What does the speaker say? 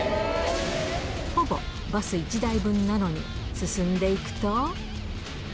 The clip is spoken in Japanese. ほぼバス１台分なのに、進んでいくと。